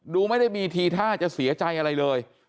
ดูไม่ได้มีทีท่าจะเสียใจอะไรเลย